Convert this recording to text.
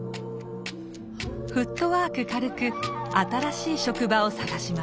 フットワーク軽く新しい職場を探します。